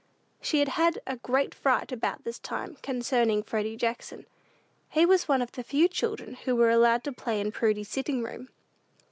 She had a great fright, about this time, concerning Freddy Jackson. He was one of the few children who were allowed to play in "Prudy's sitting room."